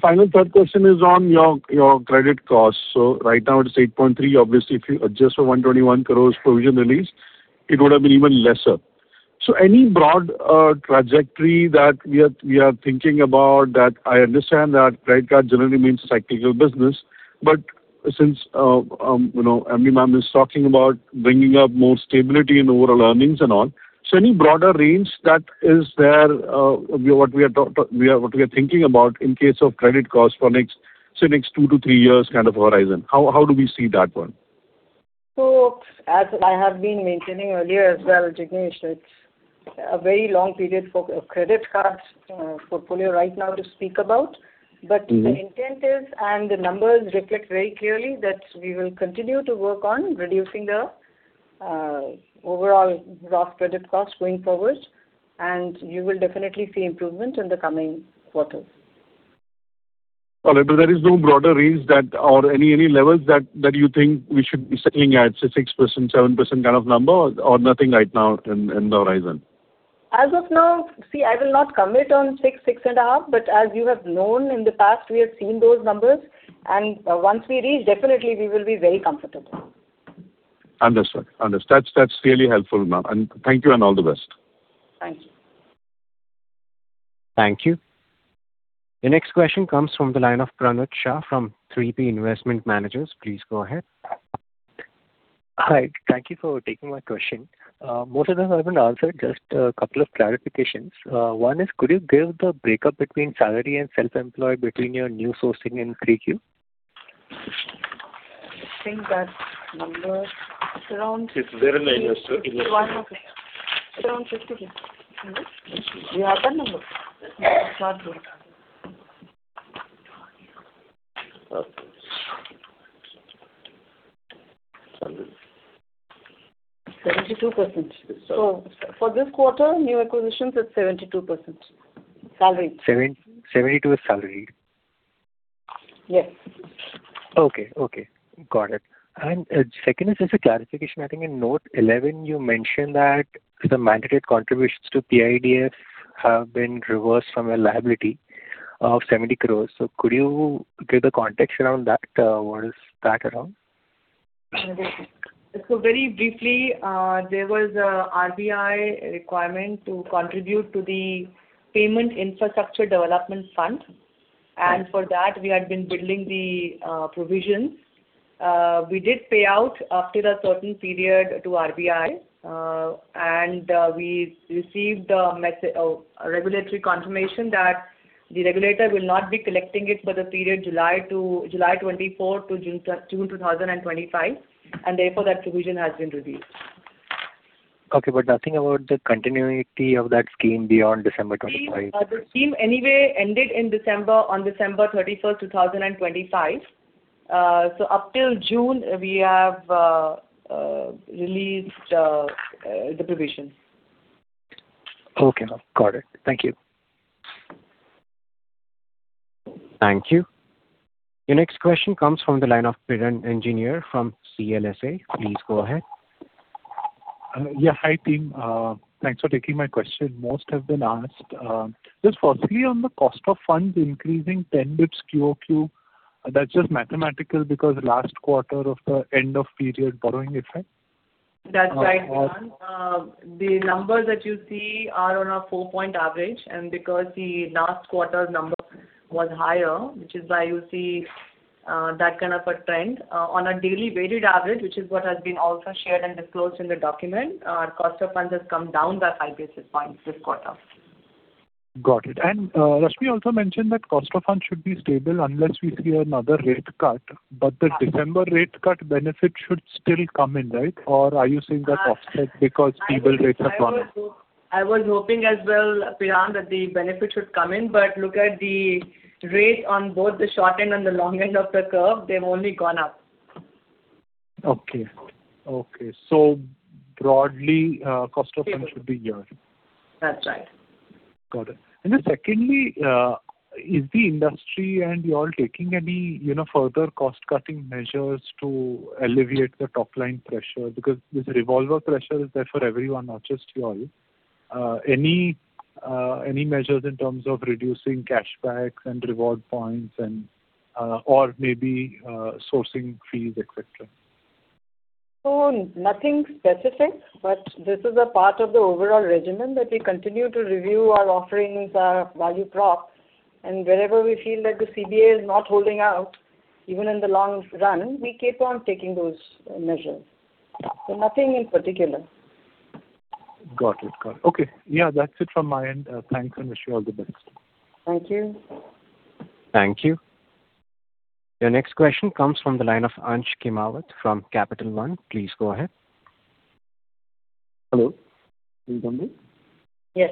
Final third question is on your credit costs. So right now it is 8.3. Obviously, if you adjust for 121 crore provision release, it would have been even lesser. So any broad trajectory that we are thinking about that I understand that credit card generally means cyclical business, but since you know Emily, ma'am, is talking about bringing up more stability in overall earnings and all, so any broader range that is there, what we are thinking about in case of credit costs for next, say, next 2-3 years kind of horizon? How do we see that one? As I have been maintaining earlier as well, Jignesh, it's a very long period for a credit card portfolio right now to speak about. Mm-hmm. But the intent is, and the numbers reflect very clearly, that we will continue to work on reducing the overall Gross Credit Cost going forward, and you will definitely see improvement in the coming quarters. All right, but there is no broader range or any levels that you think we should be settling at, say, 6%, 7% kind of number or nothing right now in the horizon? As of now, see, I will not commit on 6, 6.5, but as you have known in the past, we have seen those numbers, and once we reach, definitely we will be very comfortable. Understood. That's, that's really helpful, ma'am, and thank you and all the best. Thank you. Thank you. The next question comes from the line of Pranav Shah from 3P Investment Managers. Please go ahead. Hi. Thank you for taking my question. Most of them have been answered. Just a couple of clarifications. One is, could you give the breakup between salary and self-employed between your new sourcing in 3Q? I think that number is around- It's there in the investor. Around 50. You have the number? It's not there. 72%. So for this quarter, new acquisitions is 72%. Salary. 772 is salary? Yes. Okay. Okay, got it. And second is just a clarification. I think in note 11, you mentioned that the mandated contributions to PIDF have been reversed from a liability of 70 crore. So could you give the context around that, what is that around? So very briefly, there was an RBI requirement to contribute to the Payments Infrastructure Development Fund, and for that, we had been building the provisions. We did pay out up to a certain period to RBI, and we received the regulatory confirmation that the regulator will not be collecting it for the period July 2024 to June 2025, and therefore that provision has been released. Okay, but nothing about the continuity of that scheme beyond December 25? The scheme anyway ended in December, on December 31st, 2025. So up till June, we have released the provisions. Okay, ma'am. Got it. Thank you. Thank you. The next question comes from the line of Piran Engineer from CLSA. Please go ahead. Yeah, hi, team. Thanks for taking my question. Most have been asked, just firstly, on the cost of funds increasing 10 basis points quarter-over-quarter, that's just mathematical because last quarter of the end of period borrowing effect? That's right, Piran. The numbers that you see are on a 4-point average, and because the last quarter's number was higher, which is why you see that kind of a trend. On a daily weighted average, which is what has been also shared and disclosed in the document, our cost of funds has come down by 5 basis points this quarter. Got it. And, Rashmi also mentioned that cost of funds should be stable unless we see another rate cut, but the December rate cut benefit should still come in, right? Or are you saying that's offset because stable rates have gone up? I was hoping as well, Piran, that the benefit should come in, but look at the rate on both the short end and the long end of the curve, they've only gone up. Okay. Okay. Broadly, cost of funds should be here. That's right. Got it. And then secondly, is the industry and you all taking any, you know, further cost-cutting measures to alleviate the top line pressure? Because this revolver pressure is there for everyone, not just you all. Any measures in terms of reducing cashback and reward points and, or maybe, sourcing fees, et cetera? Nothing specific, but this is a part of the overall regimen that we continue to review our offerings, value prop, and wherever we feel that the CBA is not holding out, even in the long run, we keep on taking those measures. Nothing in particular. Got it. Got it. Okay, yeah, that's it from my end. Thanks, and wish you all the best. Thank you. Thank you. The next question comes from the line of Ansh Kumawat from Capital One. Please go ahead. Hello. You hear me? Yes.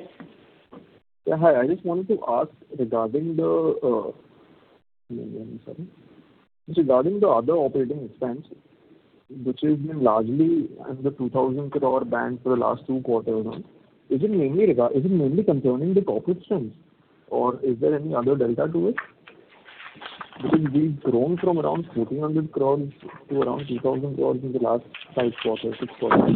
Yeah, hi, I just wanted to ask regarding the, regarding the other operating expense, which has been largely in the 2,000 crore band for the last 2 quarters now. Is it mainly concerning the corporate trends, or is there any other delta to it? Because we've grown from around 1,400 crore to around 2,000 crore in the last 5 quarters, 6 quarters.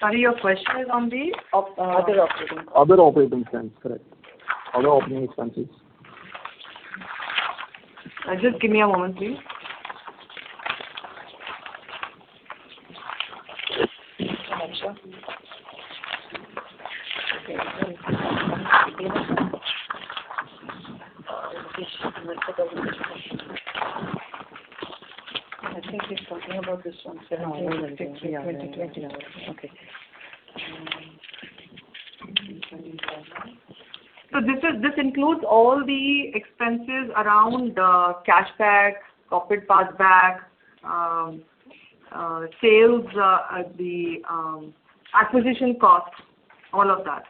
Sorry, your question is on the Other operating. Other operating spends, correct. Other operating expenses. Just give me a moment, please. I think he's talking about this one. Twenty twenty. 2020, okay. So this is, this includes all the expenses around cashback, corporate passback, sales, the acquisition costs, all of that.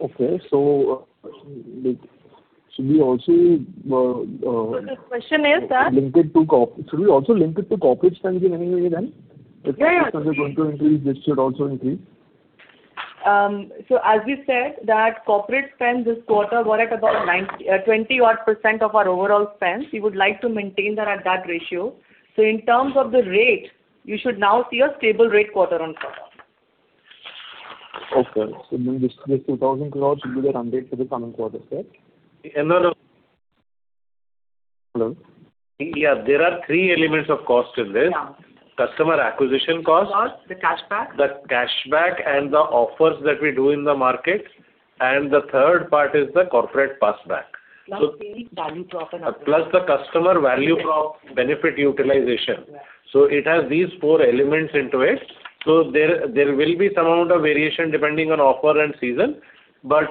Okay. So, like, should we also, The question is that- Should we also link it to corporate spend in any way then? Yeah, yeah. If corporate is going to increase, this should also increase. So as we said, that corporate spend this quarter were at about 9.20 odd% of our overall spends. We would like to maintain that at that ratio. So in terms of the rate, you should now see a stable rate quarter-on-quarter. Okay. So this 2,000 crore should be the run rate for the coming quarter, correct? And then. Hello? Yeah, there are three elements of cost in this. Yeah. Customer acquisition cost- Plus the cashback. The cashback and the offers that we do in the market, and the third part is the corporate passback. Plus the value prop. Plus the customer value prop benefit utilization. Yeah. So it has these four elements into it. So there, there will be some amount of variation depending on offer and season, but,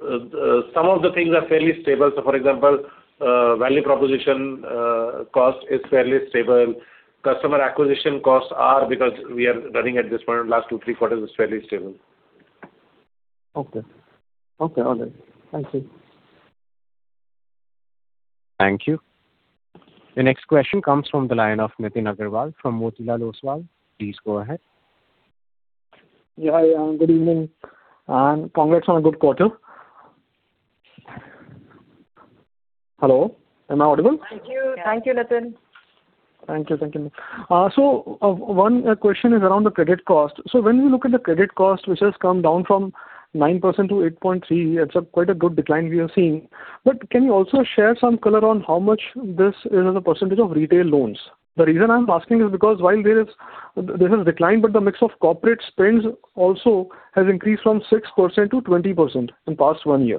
some of the things are fairly stable. So, for example, value proposition, cost is fairly stable. Customer acquisition costs are, because we are running at this point, last 2, 3 quarters is fairly stable. Okay. Okay, all right. Thank you. Thank you. The next question comes from the line of Nitin Aggarwal from Motilal Oswal. Please go ahead. Yeah, hi, good evening, and congrats on a good quarter. Hello, am I audible? Thank you. Thank you, Nitin. Thank you. Thank you, ma'am. So, one question is around the credit cost. So when we look at the credit cost, which has come down from 9% to 8.3%, it's a quite a good decline we are seeing. But can you also share some color on how much this is in the percentage of retail loans? The reason I'm asking is because while there is a decline, but the mix of corporate spends also has increased from 6% to 20% in past 1 year.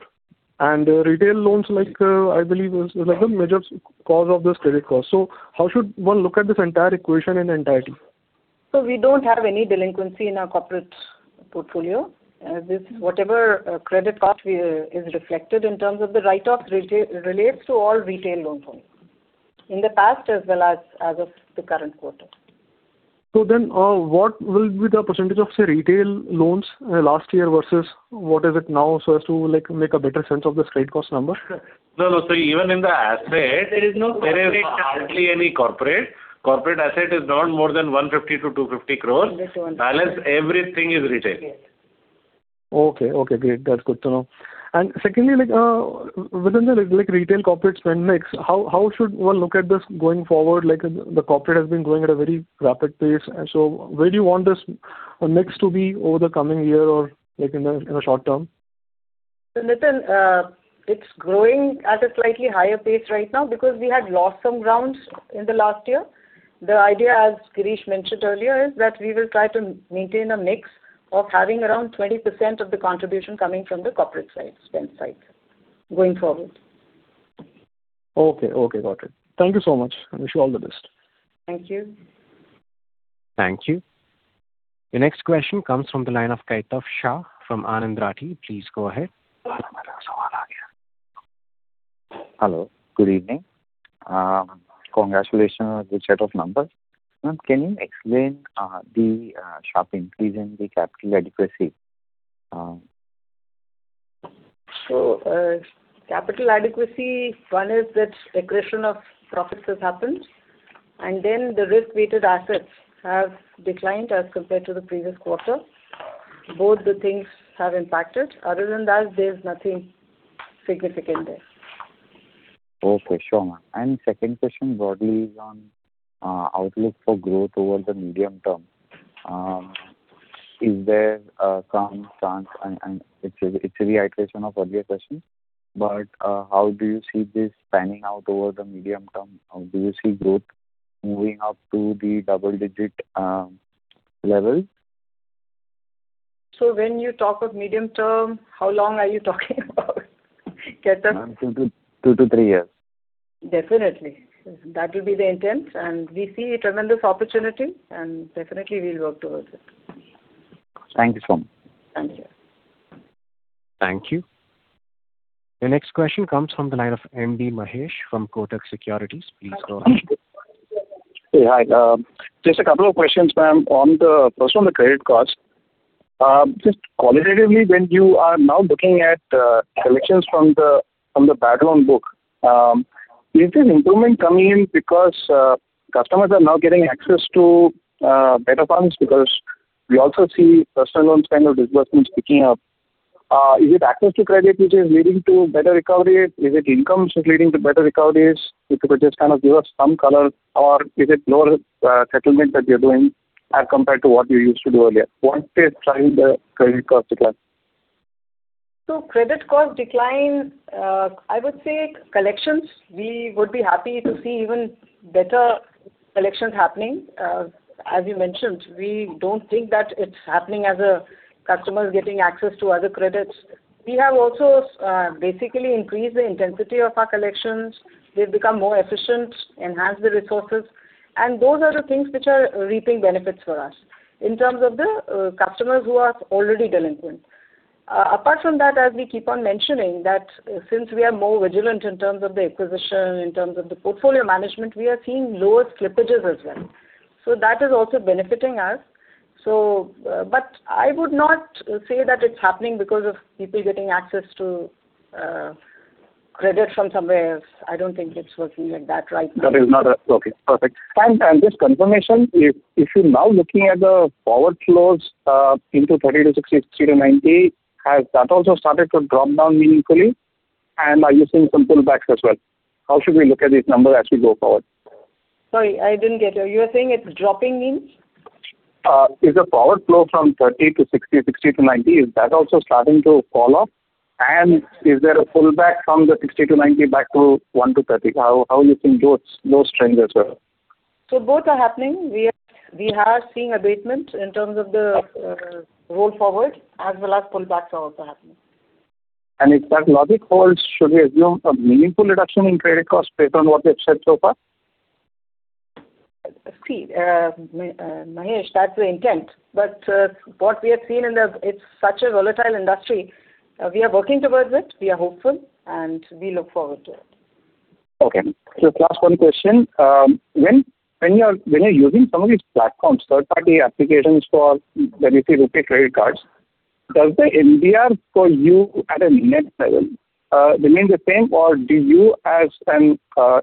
And retail loans, like, I believe, is, like, the major cause of this credit cost. So how should one look at this entire equation in entirety? We don't have any delinquency in our corporate portfolio. This, whatever credit cost, is reflected in terms of the write-off relates to all retail loans only, in the past as well as, as of the current quarter. What will be the percentage of, say, retail loans in the last year versus what is it now, so as to, like, make a better sense of this credit cost number? No, no. So even in the asset- There is no corporate. There is hardly any corporate. Corporate asset is not more than 150 crore-250 crore. Just one. Balance, everything is retail. Yes. Okay. Okay, great. That's good to know. And secondly, like, within the like, like, retail corporate spend mix, how should one look at this going forward? Like, the corporate has been growing at a very rapid pace, and so where do you want this mix to be over the coming year or, like, in the short term? So Nitin, it's growing at a slightly higher pace right now because we had lost some grounds in the last year. The idea, as Girish mentioned earlier, is that we will try to maintain a mix of having around 20% of the contribution coming from the corporate side, spend side, going forward. Okay. Okay, got it. Thank you so much, and wish you all the best. Thank you. Thank you. The next question comes from the line of Kaitav Shah from Anand Rathi. Please go ahead. Hello, good evening. Congratulations on the set of numbers. Ma'am, can you explain the sharp increase in the capital adequacy? So, capital adequacy, one is that retention of profits has happened, and then the risk-weighted assets have declined as compared to the previous quarter. Both the things have impacted. Other than that, there's nothing significant there. Okay. Sure, ma'am. And second question broadly is on outlook for growth over the medium term. Is there some chance and it's a reiteration of earlier question, but how do you see this panning out over the medium term? Do you see growth moving up to the double digit level? When you talk of medium term, how long are you talking about? Kaitav? Ma'am, 2-3 years. Definitely. That will be the intent, and we see a tremendous opportunity, and definitely we'll work towards it. Thank you, ma'am. Thank you. Thank you. The next question comes from the line of M.B. Mahesh from Kotak Securities. Please go ahead. Hey, hi. Just a couple of questions, ma'am, on the first, on the credit cost. Just qualitatively, when you are now looking at collections from the bad loan book, is there improvement coming in because customers are now getting access to better funds? Because we also see personal loan kind of disbursements picking up. -is it access to credit which is leading to better recovery? Is it income which is leading to better recoveries? If you could just kind of give us some color, or is it lower settlement that you're doing as compared to what you used to do earlier? What is driving the credit cost decline? So credit cost decline, I would say collections. We would be happy to see even better collections happening. As you mentioned, we don't think that it's happening as a customer is getting access to other credits. We have also basically increased the intensity of our collections. They've become more efficient, enhanced the resources, and those are the things which are reaping benefits for us in terms of the customers who are already delinquent. Apart from that, as we keep on mentioning, that since we are more vigilant in terms of the acquisition, in terms of the portfolio management, we are seeing lower slippages as well. So that is also benefiting us. So, but I would not say that it's happening because of people getting access to credit from somewhere else. I don't think it's working like that right now. Okay, perfect. And just confirmation, if you're now looking at the forward flows into 30-60, 60-90, has that also started to drop down meaningfully? And are you seeing some pullbacks as well? How should we look at this number as we go forward? Sorry, I didn't get you. You were saying it's dropping means? Is the forward flow from 30-60, 60-90, is that also starting to fall off? And is there a pullback from the 60-90, back to 1-30? How are you seeing those trends as well? Both are happening. We are seeing abatement in terms of the roll forward, as well as pullbacks are also happening. If that logic holds, should we assume a meaningful reduction in credit costs based on what you've said so far? See, Mahesh, that's the intent, but, what we have seen in the, it's such a volatile industry. We are working towards it, we are hopeful, and we look forward to it. Okay. So last one question. When you're using some of these platforms, third-party applications for the retail credit cards, does the MDR for you at a net level remain the same, or do you as an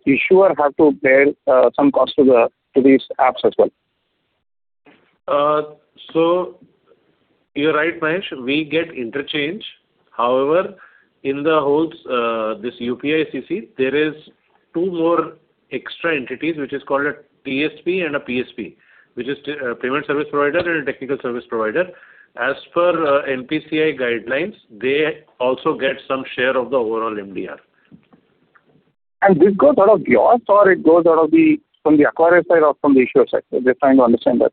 issuer have to bear some cost to these apps as well? So you're right, Mahesh, we get interchange. However, in the whole, this UPI-CC, there is two more extra entities, which is called a TSP and a PSP, which is the, payment service provider and a technical service provider. As per, NPCI guidelines, they also get some share of the overall MDR. This goes out of your or it goes out of the, from the acquirer side or from the issuer side? Just trying to understand that.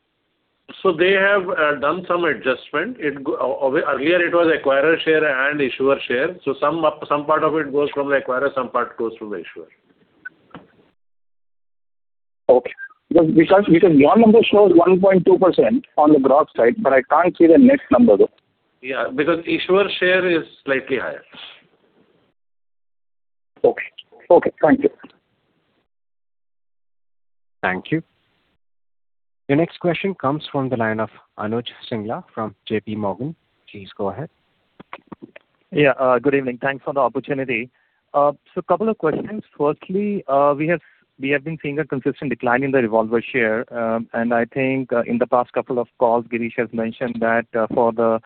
They have done some adjustment. Earlier it was acquirer share and issuer share. So some of, some part of it goes from the acquirer, some part goes from the issuer. Okay. Because, because your number shows 1.2% on the gross side, but I can't see the net number, though. Yeah. Because issuer share is slightly higher. Okay. Okay, thank you. Thank you. Your next question comes from the line of Anuj Singla from Bank of America. Please go ahead. Yeah, good evening. Thanks for the opportunity. So a couple of questions. Firstly, we have, we have been seeing a consistent decline in the revolver share. And I think, in the past couple of calls, Girish has mentioned that, for the,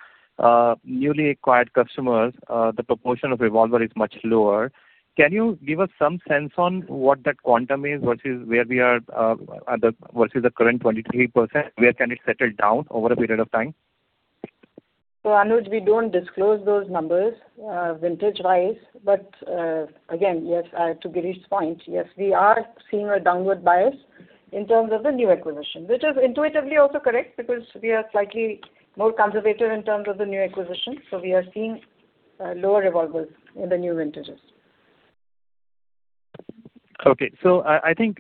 newly acquired customers, the proportion of revolver is much lower. Can you give us some sense on what that quantum is, versus where we are, at the, versus the current 23%? Where can it settle down over a period of time? So Anuj, we don't disclose those numbers, vintage-wise. But, again, yes, to Girish's point, yes, we are seeing a downward bias in terms of the new acquisition, which is intuitively also correct, because we are slightly more conservative in terms of the new acquisition, so we are seeing, lower revolvers in the new vintages. Okay. So I, I think,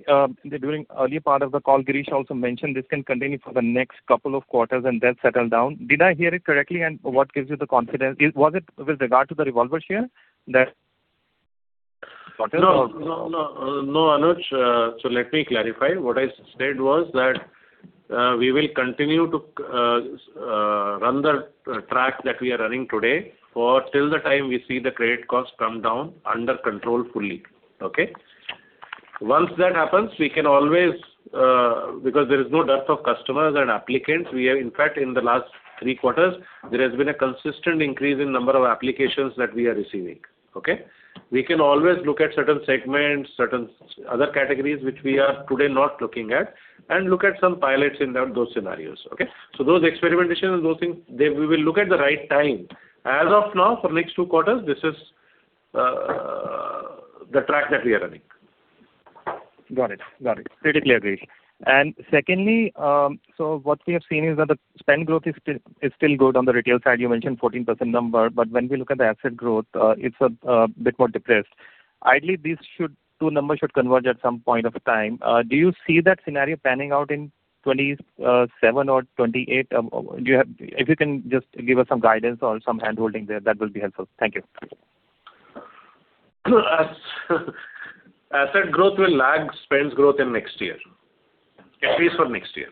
during early part of the call, Girish also mentioned this can continue for the next couple of quarters and then settle down. Did I hear it correctly? And what gives you the confidence? Is- was it with regard to the revolver share that? No, no, no, no, Anuj. So let me clarify. What I said was that we will continue to run the track that we are running today for till the time we see the credit cost come down under control fully. Okay? Once that happens, we can always, because there is no dearth of customers and applicants, we are in fact, in the last three quarters, there has been a consistent increase in number of applications that we are receiving. Okay? We can always look at certain segments, certain other categories, which we are today not looking at, and look at some pilots in those scenarios. Okay? So those experimentations and those things, they we will look at the right time. As of now, for next two quarters, this is the track that we are running. Got it. Got it. Completely agree. And secondly, so what we have seen is that the spend growth is still, is still good on the retail side. You mentioned 14% number, but when we look at the asset growth, it's a bit more depressed. Ideally, these two numbers should converge at some point of time. Do you see that scenario panning out in 2027 or 2028? Do you have—if you can just give us some guidance or some handholding there, that would be helpful. Thank you. Asset growth will lag spends growth in next year. At least for next year.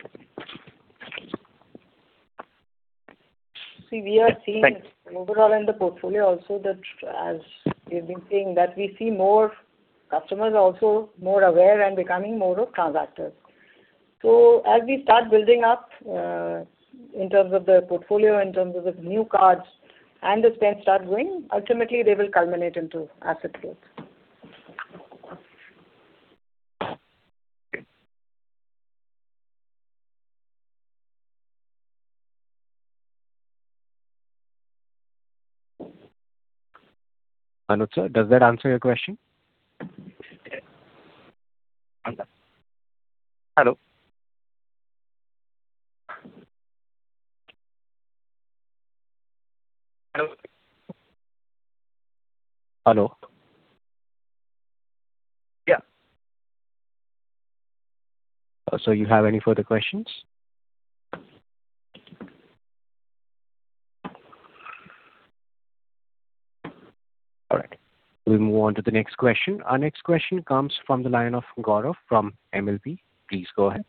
See, we are seeing- Thanks. Overall in the portfolio also that as we've been saying, that we see more customers also more aware and becoming more of transactors. So as we start building up, in terms of the portfolio, in terms of the new cards and the spends start growing, ultimately they will culminate into asset growth. Anuj, sir, does that answer your question? Hello? Hello. Hello. Yeah. You have any further questions? All right, we'll move on to the next question. Our next question comes from the line of Gaurav from MLP. Please go ahead.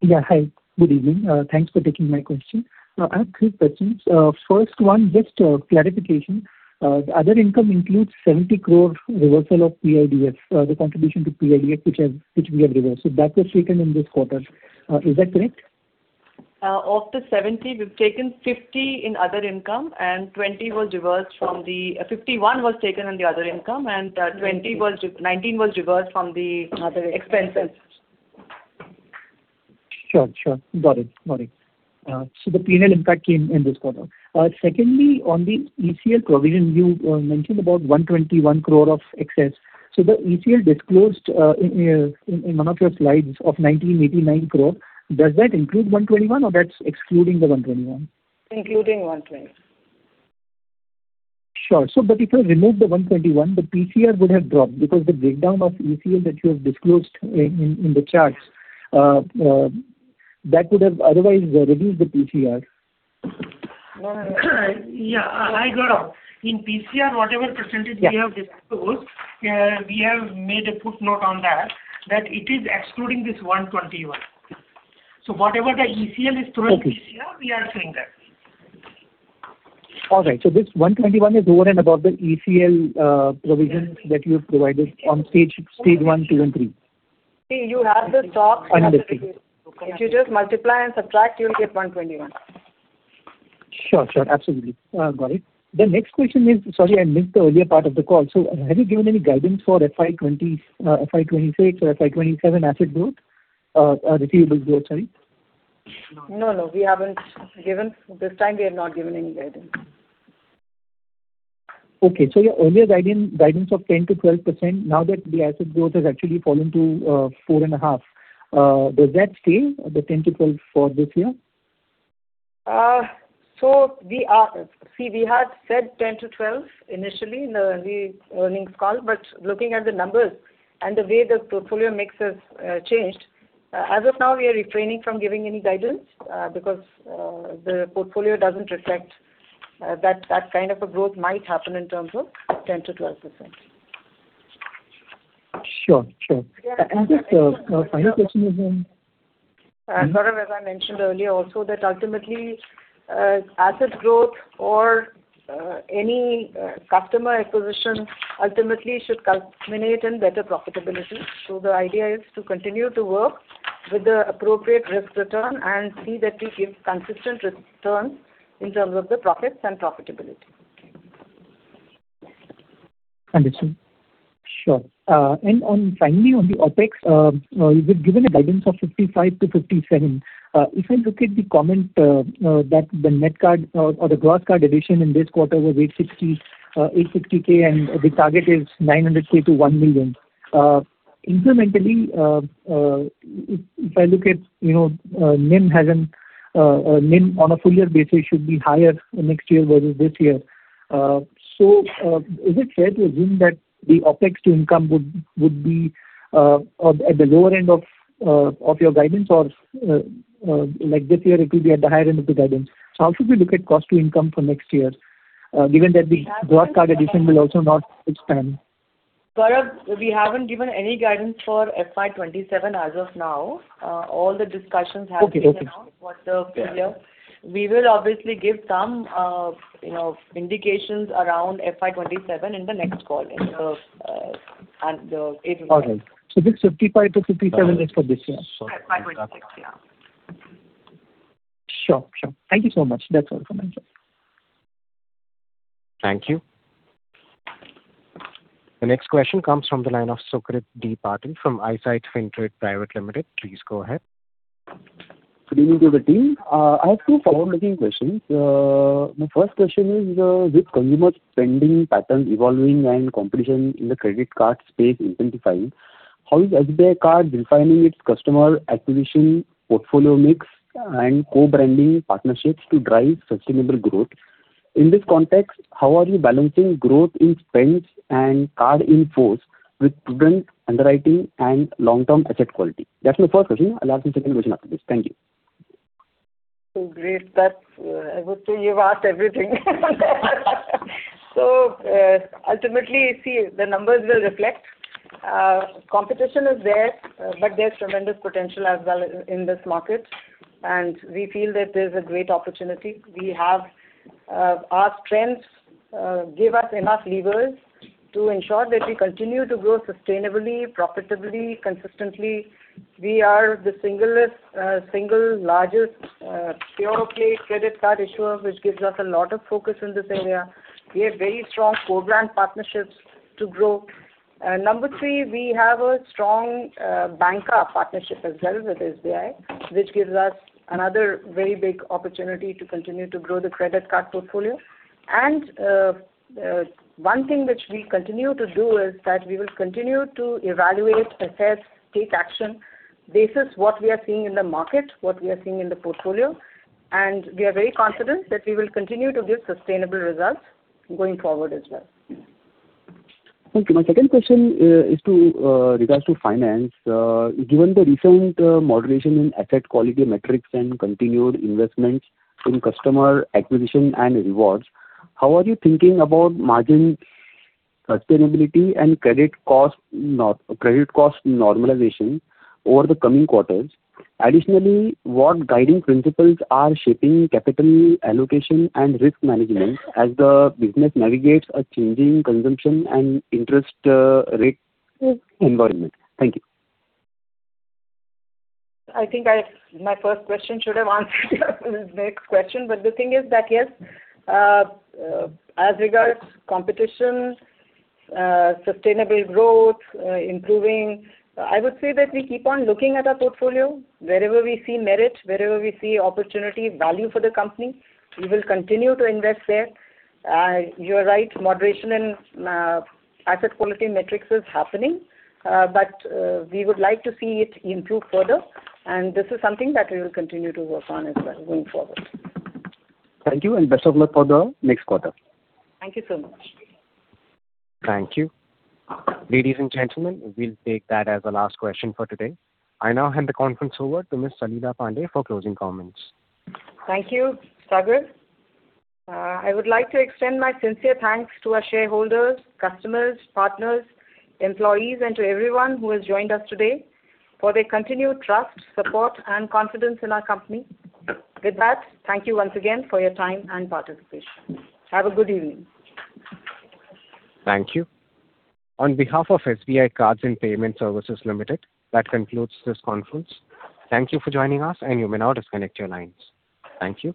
Yeah, hi. Good evening. Thanks for taking my question. Now, I have three questions. First one, just clarification. The other income includes 70 crore reversal of PIDF, the contribution to PIDF, which we have reversed. So that was taken in this quarter. Is that correct? Of the 70, we've taken 50 in other income, and 20 was reversed from the expenses. 51 was taken on the other income, and 20 was, 19 was reversed from the expenses. Sure, sure. Got it. Got it. So the P&L impact came in this quarter. Secondly, on the ECL provision, you mentioned about 121 crore of excess. So the ECL disclosed in one of your slides of 1,989 crore, does that include one twenty-one or that's excluding the one twenty-one? Including 121. Sure. So but if you have removed the 121, the PCR would have dropped because the breakdown of ECL that you have disclosed in the charts that would have otherwise reduced the PCR. Yeah, hi, Gaurav. In PCR, whatever percentage- Yeah. We have disclosed, we have made a footnote on that, that it is excluding this 121. So whatever the ECL is towards- Okay. PCR, we are saying that. All right. So this 121 is over and above the ECL provisions that you have provided on stage, stage one, two, and three. See, you have the stock- Understood. If you just multiply and subtract, you'll get 121. Sure, sure. Absolutely. Got it. The next question is-Sorry, I missed the earlier part of the call. So have you given any guidance for FY 2020, FY 2026 or FY 2027 asset growth, receivable growth, sorry? No, no, we haven't given. This time we have not given any guidance. Okay, so your earlier guidance, guidance of 10%-12%, now that the asset growth has actually fallen to 4.5, does that stay, the 10%-12% for this year? So we are, See, we had said 10-12 initially in the earnings call, but looking at the numbers and the way the portfolio mix has changed, as of now, we are refraining from giving any guidance because the portfolio doesn't reflect that, that kind of a growth might happen in terms of 10%-12%. Sure, sure. Yeah. Just, my final question is then- Gaurav, as I mentioned earlier also, that ultimately, asset growth or, any, customer acquisition ultimately should culminate in better profitability. So the idea is to continue to work with the appropriate risk return and see that we give consistent returns in terms of the profits and profitability. Understood. Sure. And on, finally, on the OpEx, you had given a guidance of 55%-57%. If I look at the comment, that the net card or, or the gross card addition in this quarter was 860, 860k, and the target is 900k to 1 million. Incrementally, if, if I look at, you know, NIM hasn't, NIM on a full year basis should be higher next year versus this year. So, is it fair to assume that the OpEx to income would, would be, at, at the lower end of, of your guidance or, like this year it will be at the higher end of the guidance? How should we look at cost to income for next year, given that the gross card addition will also not expand? Gaurav, we haven't given any guidance for FY 2027 as of now. All the discussions have been around- Okay, okay. what the full year. Yeah. We will obviously give some, you know, indications around FY27 in the next call, in the, at the April. All right. So this 55-57 is for this year? FY 2026, yeah. Sure, sure. Thank you so much. That's all from my end. Thank you. The next question comes from the line of Sukrit Patil from EyeSight FinTrade Private Limited. Please go ahead. Good evening to the team. I have two forward-looking questions. My first question is, with consumer spending patterns evolving and competition in the credit card space intensifying, how is SBI Card refining its customer acquisition, portfolio mix, and co-branding partnerships to drive sustainable growth? In this context, how are you balancing growth in Spends and Cards in Force with prudent underwriting and long-term asset quality? That's my first question. I'll ask the second question after this. Thank you. So great that, I would say you've asked everything. So, ultimately, see, the numbers will reflect, competition is there, but there's tremendous potential as well in, in this market and we feel that there's a great opportunity. We have, our strengths, give us enough levers to ensure that we continue to grow sustainably, profitably, consistently. We are the singular, single largest, pure-play credit card issuer, which gives us a lot of focus in this area. We have very strong co-brand partnerships to grow. Number 3, we have a strong, banker partnership as well with SBI, which gives us another very big opportunity to continue to grow the credit card portfolio. One thing which we continue to do is that we will continue to evaluate, assess, take action, basis what we are seeing in the market, what we are seeing in the portfolio, and we are very confident that we will continue to give sustainable results going forward as well. Thank you. My second question is with regards to finance. Given the recent moderation in asset quality metrics and continued investments in customer acquisition and rewards, how are you thinking about margin sustainability and credit cost normalization over the coming quarters? Additionally, what guiding principles are shaping capital allocation and risk management as the business navigates a changing consumption and interest rate environment? Thank you. I think my first question should have answered his next question, but the thing is that, yes, as regards competition, sustainable growth, improving, I would say that we keep on looking at our portfolio. Wherever we see merit, wherever we see opportunity, value for the company, we will continue to invest there. You are right, moderation in asset quality metrics is happening, but we would like to see it improve further, and this is something that we will continue to work on as well going forward. Thank you, and best of luck for the next quarter. Thank you so much. Thank you. Ladies and gentlemen, we'll take that as the last question for today. I now hand the conference over to Ms. Salila Pande for closing comments. Thank you, Sagar. I would like to extend my sincere thanks to our shareholders, customers, partners, employees, and to everyone who has joined us today for their continued trust, support, and confidence in our company. With that, thank you once again for your time and participation. Have a good evening. Thank you. On behalf of SBI Cards and Payment Services Limited, that concludes this conference. Thank you for joining us, and you may now disconnect your lines. Thank you.